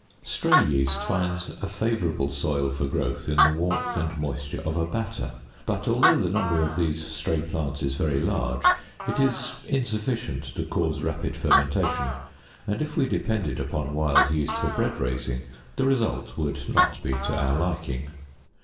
Stray yeast finds a favorable soil for growth in the warmth and moisture of a batter; but although the number of these stray plants is very large, it is insufficient to cause rapid fermentation, and if we depended upon wild yeast for bread raising, the result would not be to our liking.